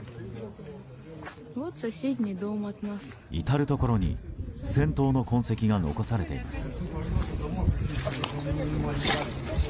至るところに戦闘の痕跡が残されています。